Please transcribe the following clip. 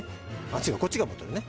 違うこっちがボトルね